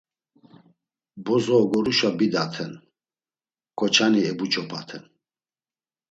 Bozo ogoruşa bidaten, ǩoçani ebuç̌opaten.